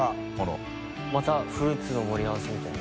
またフルーツの盛り合わせみたいな。